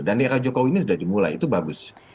dan daerah jokowi ini sudah dimulai itu bagus